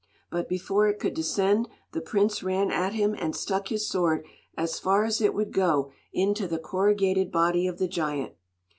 But before it could descend, the prince ran at him and stuck his sword as far as it would go into the corrugated body of the giant.